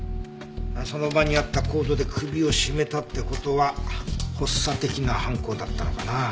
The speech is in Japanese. その場にあったコードで首を絞めたって事は発作的な犯行だったのかな？